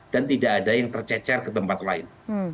dan tidak ada yang tercecer ke tempat lain